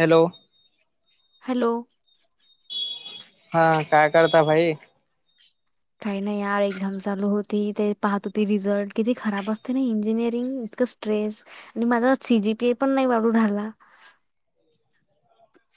Hello! Hello! हा काय करता भाई. काही नाही यार एक्झाम चालू होती, ते पाहत होती रिझल्ट किती खराब असते ना इंजिनिअरिंग. ट्रेस आणि माझा सीजीपी पण नाही वाढू राला.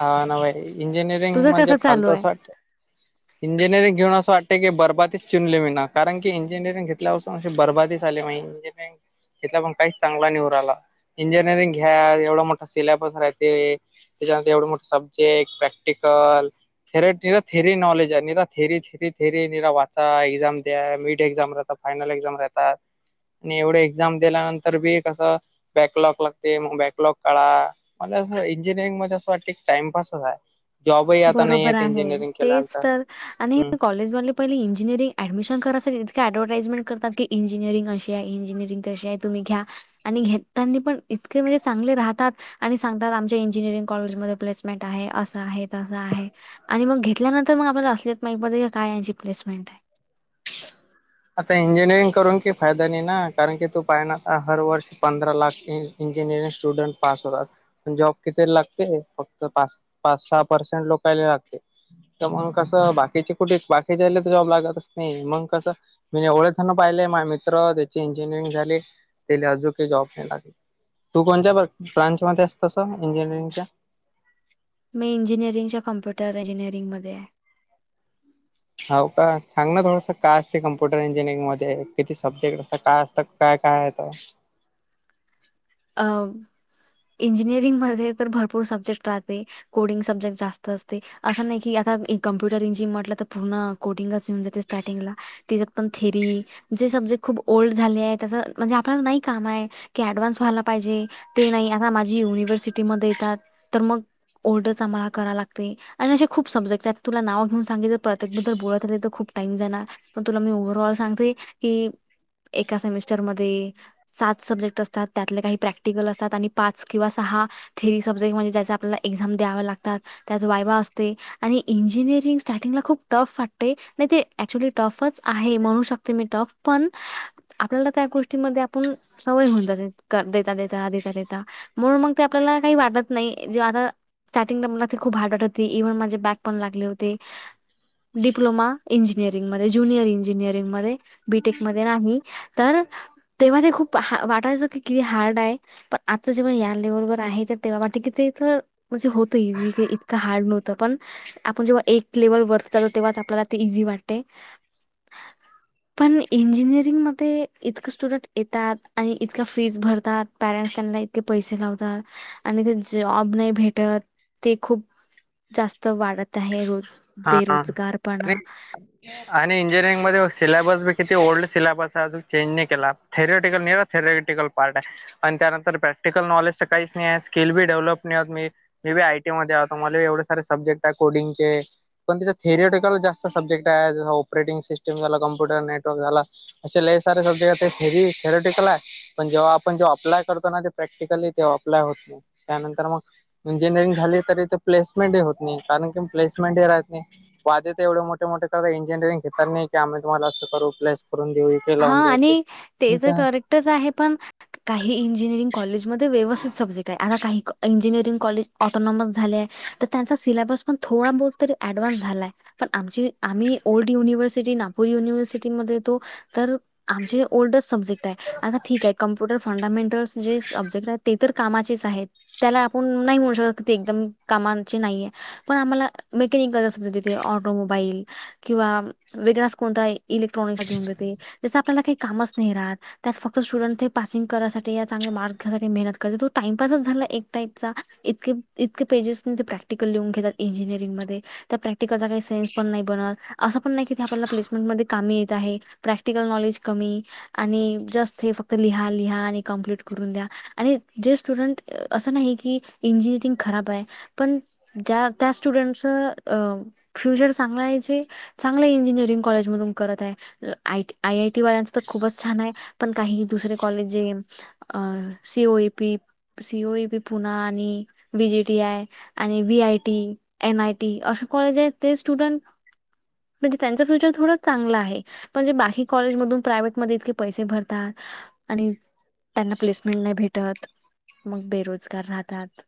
हा ना बाई इंजिनिअरिंग तुझं म्हणजे कसं चालू फालतु आहे असं वाटत. इंजिनिअरिंग घेऊन अस वाटते की बरबादी चुनले मीन कारण की इंजिनअरिंग घेतल्यापासून असे बरबादी झाली मी. [unintelligible] इथं पण काहीच चांगला नाही येऊ राहिला. इंजिनिअरिंग घ्या एवढा मोठा सिलेबस राहते, त्याच्या तेवढं मोठ सब्जेक्ट, प्रॅक्टिकल, ख निराथेरी नॉलेज आहे निरा थेरीथेरी थेरी निरा वाचचा एक्झाम द्या मिट एक्झामला. फायनल एक्झाम राहतात आणि एवढं एक्झाम दिल्यानंतर बी कसं बॅकलॉग लागते, मग बॅकलॉग काडा मला असं इंजिनिअरिंग कसं. वाटते एक टाइमपास आहे. जॉबही आता नाही बरोबर आहेत आहे. इंजिनिअरिंग तेच केल्यानंतर तर आणि हम्म. कॉलेजवाले- पहि इंजिनिअरि ॲडमिश करायसाठी ईतंक अँडव्हटाईज करताती इंजिनिरिंग अशी आहे ईजिनिअरंग तशी आहे तम्ही घ्या. आणि घेताना पण इतके म्हणजे चांगले राहतात. आणि सांगतात आमच्या इंजिनिअरिंग कॉलेजमध्ये प्लेसमेंट आहे असं आहे. तंस आहे आणि मग घेतल्यानंतर मग आपल्याला असलियत माहीत पडते की काय यांची प्लेसमेंट आहे. आता इंजिनिअरिंग करून की फायदा नाही ना कारण की तू पायणा आता हर वर्ष पंधरा लाख इंजिनिअरिंग स्टुडंट पास होतात. प जॉब किती लागते. फक्त पाच पाच सहा पर्सेंट लोकांना लागते. तर मग कसं बाकीचे कुठे बाकीच्याला तर जॉब लागतच नाही मग कसं. मी एवढ जण पाहिले माझ मित्र त्याची इंजिनिअरिंग झाली त्याला अजूनकही जॉब नाही लागला. तू कोणत ब ब्रांचमध्ये अस्तस इंजिनिअरिंगच्या मी इंजिनअरिंगच्या कॉम्पुटर इंजिनिअरिंगमध्ये आहे. हो का सांग ना थोडंसं का असते कम्प्युटर इंजिनिअरिंग मध्ये किती सब्जेक्ट असं काय असतं. काय काय आहेत. अ इंजिनिअरिंग मध्ये तर भरपूर सब्जेक्ट राहते. कोडिंग सब्जेक्ट जास्त असते, असं नाही की आता कम्प्युटर इंजिनियरटलं तर पूर्ण कोडिंगच येऊन जाते स्टार्टिंगला. त्याच्यात पण थेरी जे सब्जेक्ट खूप ओल्ड झाले आहे. त्याचं म्हणजे आपल्याला नाही काम आहे की ऍडव्हान्स व्हायला पाहिजे ते नाही आता माझी युनिव्हर्सिटीमध्ये येतात तर मग ओल्ड अच आम्हाला कराव लागते. आणि असे खूप सब्जेक्ट आहेत. तुला नाव घेऊ सांगितलं प्रत्येबद्दल बोलत राहीली तर खूप टाइम जाणार. पण तुला मी ओव्हर ऑल सांगते की. एका सेमिस्टरमध्ये सात सब्जेक्ट असतात त्यातले काही. प्रॅक्टिकल असतात आणि पाच किंवा सहा थेरी सब्जेक्ट म्हणजे ज्याचा आपल्याला एक्झाम द्याव लागतात. त्यात वायवा असते. आणि इंजिनिअरिंग स्टार्टिंगला खूप टफ वाटते नाही ते ऍक्च्युली टफच आहे म्हणू शकते मी टफ. पण आपल्याला त्या गोष्टी मध्ये आपण होऊन जाते द देता देता देता म्हणून मग ते आपल्याला काही वाटत नाही जेव्हा आता. स्टार्टिंगला मला ते खूप आाडवट होती ईव्हन माझे बॅक पण लागले होते. डिप्लोमा इंजिनिअरिंग मध्ये ज्युनियर इंजिनिअरिंग मध्ये बीटेक मध्ये नाही. तर तेव खूप वाटायचं की किती हार्ड आहे. आता जेव्हा या लेवल वर आहे तर तेव्हा वाट कि ते तर. म्हणजे होतं इजी की इतकं हार्ड नव्हतं पण. आपण जेव्हा एक लेवल वरतातो तेव्हाच आपल्याला ते इझी वाटते. पण इंजिनिअरिंग मध्ये इतकं स्टुडंट येतात आणि इतक फीस भरतात. पॅरेंट्स त्यांना इतक पैसे लावतात आणि ते जॉब नाही भेटत. ते खूप जास्त वाढत आहे रोज हा. नाही बेरोजगारपणा. आणि इंजिनिअरिंग मध्ये सिलेबस बी किती ओल्ड सिलेबस आहे अजून चेंज नाही केला. थेटिकलरा थरोेटिकल पार्ट आहे. आणि त्यानंतर प्रॅक्टिकल नॉलेज तर काहीच नाही आहे स्किल बी डेव्हलप नाही होत मी. मे बी आयटी मध्ये आतो मला एवढे सारे सब्जेक्ट आहे कोडिंग चे. पण त्याच्या थिरटिकल जास्त सब्जेक्ट आहे जस ऑपरेटिंग सिस्टम झाला कम्प्युटर नेटवर्क झाला. असे लय सारे सब्जेक्ट हाय ते थेरेटिकल आहे. पण जेव्हा आपण जे अप्लाय करतो ना ते प्रॅक्टिकली अप्लाय होत नाही. त्यांतर मग इंजिनिअरिंग झाली तरी ते प्लेसमेंटही होत नाही कारण की प्लेसमेंट हे राह- पाहिजे तर एवढे मोठे मोठे करत इंजिनिअरिंग घेतणार नाही की आम्ही तुम्हाला अस करू प्लयस करून देऊ. इकडे हा लावून देऊ ते. आणि ते तर करेक्टच आहे पण. काही इंजिनिअरिंग कॉलेजमध्ये व्यवस्थित सब्जेक्ट आहे आता काही इंजिनिअरिंग कॉलेज ऑटोनॉमस झाले आहे. तर त्यांचा सिलेबस पण थोडा बोत तरी ऍडव्हान्स झालाय. पण आमची आम्ही ओल्ड युनिव्हर्सिटी नागपूर युनिव्हर्सिटीमध्ये तो. तर आमचे ओल्डं सब्जेक्ट आहे आता ठीक आहे. कम्पुटर फंडामेंटल्स जे सब्जेक्ट आहेत ते तर कामाचेच आहेत. त्याला आपण नाही म्हणू शकत क ते एकदम कामाांचे नाहीये. पण आम्हाला मेकॅनिकल जाज तिथे ऑटोमोबाईल किंवा वेगळाच कोणता. इलेक्ट्रॉनिकसाठीऊन देते जसं आपल्याला काही कामच नाही राहात. त्यात फक्त स्टुडंट हे पासिंग करासाठी या चांगले मार्क्स घ्यासाठी मेहनत कर तो टाइमपास झाला एक टाईपचा. इतकेइतके पेजेस नाही ते प्रॅक्टिकल लिहून घेतात इंजिनिअरिंग मध्ये. त्या प्रॅक्टिकलचा काही सेन्स पण नाही बनत असं पण नाही किथ आपल्याला प्लेसमेंट मध्ये कामी येत आहे. प्रॅक्टिकल नॉलेज कमी. आणि जस्ट हे फक्त लिहा लिहा आणि कं्प्लीट करून द्या आणि जे स्टुडंट असं नाही की इंजिनिअरिंग खराब आहे पण. जात्या स्टुडन्ट चं फ्युचर सांभाळायचे. चांगले इंजिनिअरिंकॉलेज मधून करत आहे तर आयआयटी वाल्यंचंखूपच छान आहेपण काही दुसरे कॉलेज जैन. अ सीओ पी सीओ पी पुन्हा आणि विजीटी आय. आणि V I T N I T असशा कॉलेज आहेत ते स्टुडंट. म्हणजे त्यांचं फ्युचर थोडं चांगलं आहे म्हणजे बाकी कॉलेजमधून प्रायव्हेट मध्ये इतके पैसे भरता आणि त्यांना प्लेसमेंट नाही भेटत मग बेरोजगार राहतात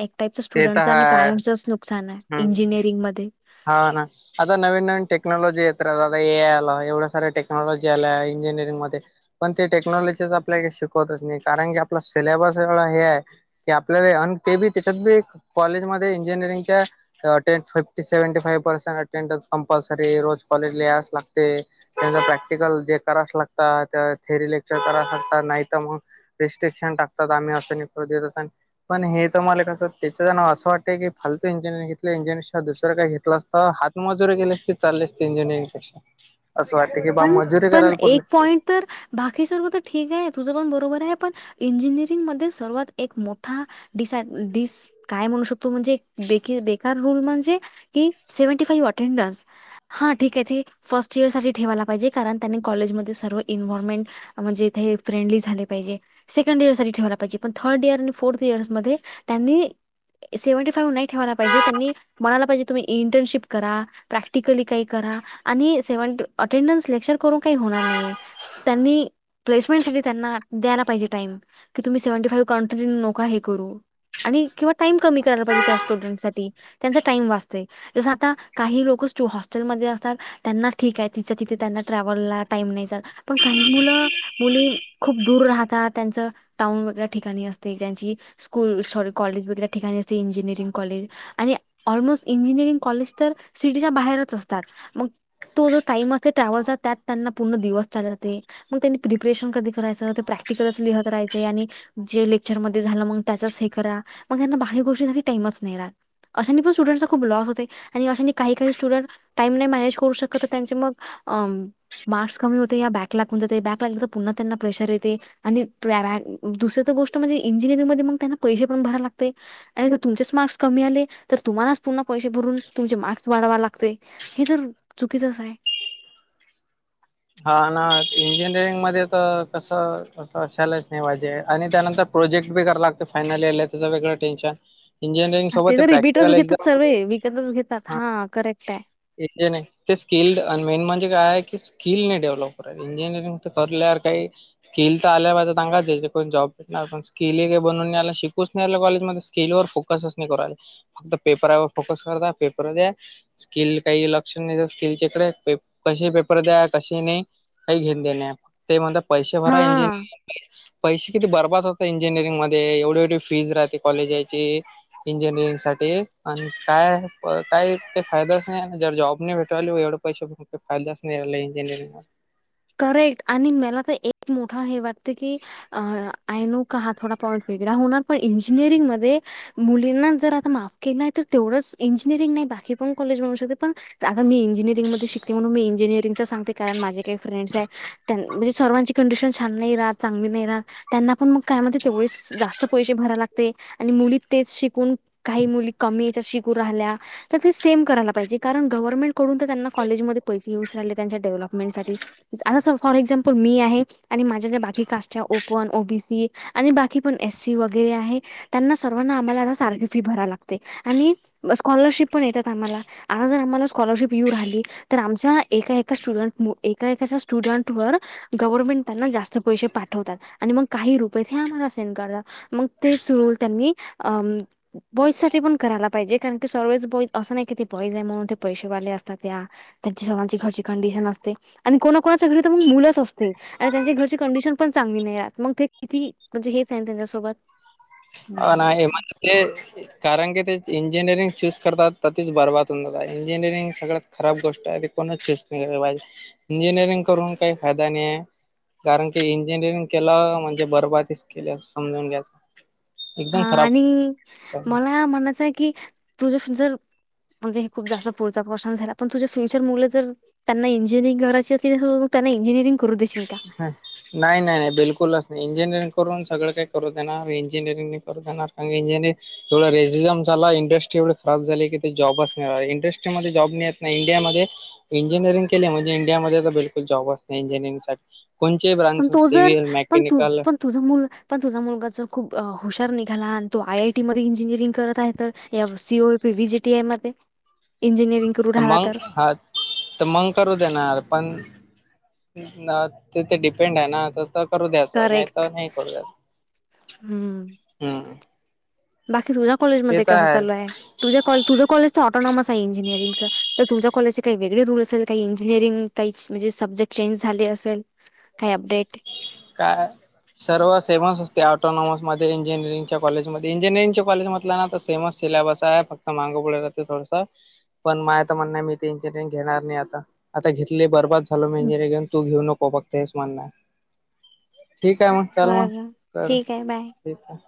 एक टाईपच ते तर स्टुडंट्स आणि हाय पॅरेंट्सच नुकसान हाय हम्म. इंजिनिअरिंग मध्ये हा ना आता नवीन नवीन टेक्नॉलॉजी येत राहत आता ए आय आला एवढ्या साऱ्या टेक्नॉलॉजी आल्या इंजिनिअरिंग मध्ये पण ते टेक्नॉलॉजीच आपल्या काही शिकवतच नाही कारण की आपला सिलॅबस एवढा हे हाय की आपल्याला अन् ते बी त्याच्यात बी कॉलेजमध्ये इंजिनिअरिंगच्या [unintelligible] seventy five percent attendance compulsory रोज कॉलेज ला यास लागते त्यांचा प्रॅक्टिकल देताराच लागतात त्या थेअरी लेक्चर करायच लागता नाही तर मग रेस्ट्रिक्शन टाकतात आम्ही असं नि देत अस पण हे तर मला कसं त्याच्या ह्यानं असं वाटतंय की फालतू इंजिनिअरिंग घेतलय तर दुसरं काय घेतलं असतं हात मजुरी गेली असती चालली असती इंजिनिअरिंग पेक्षा असं वाटतय की बा पण मजुरी पण करायला पूर्ली एक असती पॉइंट तर बाकी सर्व तर ठीक हाय तुझं पण बरोबर हाय पण इंजिनिअरिंगमध्ये सर्वात एक मोठा डिस डीस काय म्हणू शकतो म्हणजेे बेकार रूल म्हणजे की सेव्हंटी फाई्ह अटेंडन्स हा ठीक आहे ते फर्स्ट इयर साठी ठेवा लाग पाहिजे कारण त्यांनी कॉलेजमध्ये सर्व इनवारमेंट म्हणजे इथे फ्रेंडली झाले पाहिजे सेकंड इयर साठी ठेवायला पाहिजे पण थर्ड इयर आणि फोर्थ इयर्स मध्ये त्यांनी सेव्हन्टी फाईव नाही ठेवायला पाहिजे त्यांनी म्हणायला पाहिजे तुम्ही इंटर्नशिप करा प्रॅक्टिकली काही करा आणि अटेंडन्स लेक्चर करून काही होणार नाहीये त्यांनी प्लेसमेंट साठी त्यांना द्याला पाहिजे टाइम की तुम्ही सेवेंटी फाई कंटन्यू नका हे करू आणि किंवा टाइम कमी करायला पाहिजे त्या स्टुडंट साठी त्यांचा टाइम वाचतय जस आता काही लोक स्टू हॉस्टेलमध्ये असतात त्यांना ठीक हाय तिथे तिथे त्यांना ट्रॅव्हलला टाईम नाही जात पण काही मुलं मुली खूप दूर राहतात त्यांचं टाऊन वेगळ्या ठिकाणी असते त्यांची स्कूल सॉरी कॉलेज वेगळ्या ठिकाणी असते इंजिनिअरिंग कॉलेज आणि ऑलमोस्ट इंजिनिअरिंग कॉलेजतर सिटीच्या बाहेरच असतात मग तो जो टाईम असते ट्रॅव्हलचा त्यात त्यांना पूर्ण दिवस चालते मग त्यांनी प्रिपरेशन कधी करायचं ते प्रॅक्टिकलच लिहत राहायचे आणि जे लेक्चरमध्ये झालं मग त्याचच हे करा मग यांना बाहेर गोष्टीसाठी टाईमच नाही राहत अशानी पण स्टुडंटचा खूप लॉस होते आणि अशानी काही काही स्टुडंट टाईम नाही मॅनेज करू शकत त्यांचे मग अ मार्क्स कमी होते या बॅक लागून जाते बॅक लागली तर पुन्हा त्यांना प्रेशर येते आणि त्या दुसर तर गोष्ट म्हणजे इंजिनिअरिंग मध्ये मग त्यांना पैसे पण भराय लागते आणि जर तुमचेच मार्क्स कमी आले तर तुम्हालाच पुन्हा पैसे भरून तुमचे मार्क्स वाढवा लागते हे जर चुकीचच हाय हा ना इंजिनिअरिंग मध्ये त कसं तस असायलाच नाही पाहिजे आणि त्यानंतर प्रोजेक्ट बी कराय लागत फायनल येला त्याचं वेगळं टेन्शन इंजिनिअरिंग आणि सोबत तेच ते रीबीटच प्रॅक्टिकल घेतात एक्झाम सर्व विकतच घेतात हा करेक्ट हाय घेतल नाही ते स्किल्ड अन् मेन म्हणजे काय आहे की किल नाही डेव्हलप कर इंजिनिअरिंग तर करुल्यावर काही स्किल तर आल्या पाहिजेत अंगात जेण करून जॉब काय पण स्किल येगे बनूनयला शिकूच नी राहिले कॉलेज मध्ये स्किल वर फोकसच नि करू राहिले फक्त पेपरावर फोकस करता पेपर द्या स्किल काही लक्षण नाही स्किलच्या इकडे कसे पेप पेपर द्या. असे नि कही घेन देण ते म्हणत पैसे भरा हा इंजीनियरिंग चे पैसे किती बर्बाद होते इंजिनिअरिंग मध्ये एवढी एवढी फीज राहते कॉलेजाची. इंजिनिअरिंग साठी आणि काय ब काय ते फायदाच नाही जर जॉब नाही भेटत. [unintelligible] ल व एववढा पैशाचा फक्त फायदाच नाही राहिला इंजिनिअरिंग ला. करेक्ट आणि मला तर एक मोठा हे वाटते की अ आय नो का हा थोडा पॉईंट वेगळा होणार पण इंजिनिअरिंग मध्ये मुलींना जर आता माफ केलंय तर तेवढंच इंजिनिअरिंग नाही बाकी पण कॉलेज म्हणू शकते पण आता मी इंजीनियरिंग मध्ये शिकले म्हणून मी इंजीनियरिंग च सांगते कारण माझे काही फ्रेंडस हाय तेन म्हणजे सर्वांची कंडिशन छान नाही चांगली नाही राहत. त्यांना पण म काय तेवढ जास्त पैसे भराय लागते आणि मुली तेच शिकून काही मुली कमी याच्या शिकू राहिल्या. काय तर सेम करायला पाहिजे कारण गव्हर्नमेंट कडून तर त्यांना कॉलेज मध्ये पैसे येऊच राहिले त्यांच्या डेव्हलप मेंट साठी आता स फॉर एक्झाम्पल मी आहे आणि माझ्या ज्या बाकी कास्ट आहे ओपन ओ बी सी आणि बाकी पण एस सी वगैरे आहे त्यांना सर्वांना आम्हाला आता सारखी फी भरा लागते आणि स्कॉलरशिप पण येतात आम्हाला. आज जर आम्हाला स्कॉलरशिप यू राहिली तर आमच्या एका एका स्टुडंट मु एक काय कसं स्टुडंट वर गव्हर्नमेंट त्यांना जास्त पैसे पाठवतात आणि मग काही रुपये ते आम्हाला सेंड करतात. मग तेच रूल त्यांनी अ म बॉईजसाठी पण करायला पाहिजे कारण की सर्वच बॉई असं नाही की, ते बॉईज आहे म्हणून ते पैसेवाले असतात त्या. त्यांची सर्वांची घरची कंडिशन असते आणि कोणा कोणाच्या घरी तर मग मुलंच असते. आणि त्यांची घरची कंडिशन पण चांगली नाहीतमग ते किती म्हणजे हेच आहे त्यांच्यासोबत. हो नाही ना हे मिळायचं म्हण ते कारण की ते इंजिनिअरिंग चूज करतात तर तीच बरबाद होऊन जात इंजिनिअरिंग सगळं खराब गोष्ट आहे ते कोणच चूज नई कराय पाहिजे इंजिनिअरिंग करून काही फायदा नी ये कारण की इंजिनिअरिंग केलं म्हणजे बरबादी केलि समजून घ्यायच. हा आणि मला म्हणयचं आहे कि तुझ जर म्हणजे हे खूप जास्त पुढचा प्रश्न झाला पण तुझे फ्युचर मुल जर त्यांना इंजिनिअरिंग करायची असली मग त्यांना इंजिनिअरिंग करू देशील का. हा नाही नाही नाही बिलकुलच नाही. इंजिनिअरिंग करून सगळं काही करू देणार इंजिनअरिंग नाही करू देणार कारण इंजिनिअरिंग एवढ रेसिझम झाला इंडस्ट्री एवढी खराब झाली की ते जॉबच नाही राहिला. इंडस्ट्रीमध्ये जॉब मिळत नाही इंडियामध्ये. इंजिनअरिंग केली म्हणजे इंडियामध्ये तर बिल्कुल जॉबच नाही इंजिनअरिंगसाठी. कोणचे ब्रँ पण तो जर पण तू पण तुझा मुल पण तुझा मुलगा. जर खूप हुशार निघाला आणि तो आय आय टी मध्ये इंजिनिअरिंग करत आहे तर ह्या C O V J T I मध्ये इंजिनिरिंग तर मग हा तर मंग करू देणार पण ते तर डिपेंड आहे ना तर. तर करू द्याचं नाही तर करेक्ट नाही करू द्याचं. हम्म. हम् बाकी तुझ कॉलेज मध्ये कसं चालू आहेच आहे. तुझ तुझं कॉलेच तर ऑटॉनॉमस आहे इंजिअरिंग चं तर तुमच्या कॉलेजचे काही वेगळे रूल असेल काही इंजिनिअरिंग काही म्हणजे सब्जेक्ट चेंज झाले असेल. काही अपडेट? काय? सर्व सेवन् असते ऑटोनॉमसमध्ये इंजिनिरंगच्या कॉलेजमध्ये इंजिनिअरिंगच्या कॉलेमधला ना. त सेमच सिलॅबस आहे फक्त मांग पुढ राहते थोडस. पण मायता म्हण मी ते इंजिनिअरिंग घेणार नाही आता आता घेतली बर्बाद. झालो इंजिनियरिंग घेऊन तू घेऊ नको फक्त हेच म्हण आहे. ठीक आहे मग चल मग बरं कर आहे बाय. ठीक आहे.